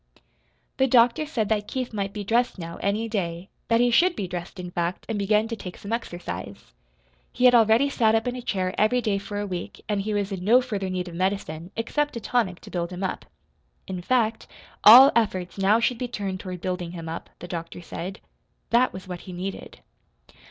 The doctor said that Keith might be dressed now, any day that he should be dressed, in fact, and begin to take some exercise. He had already sat up in a chair every day for a week and he was in no further need of medicine, except a tonic to build him up. In fact, all efforts now should be turned toward building him up, the doctor said. That was what he needed.